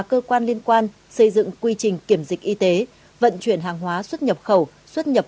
cơ quan liên quan xây dựng quy trình kiểm dịch y tế vận chuyển hàng hóa xuất nhập khẩu xuất nhập